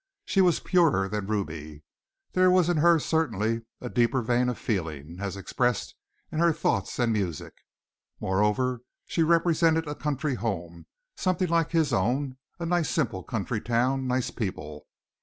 She was purer than Ruby; there was in her certainly a deeper vein of feeling, as expressed in her thoughts and music. Moreover she represented a country home, something like his own, a nice simple country town, nice people.